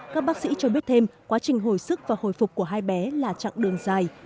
các bác sĩ cho biết thêm quá trình hồi sức và hồi phục của hai bé là chặng đường dài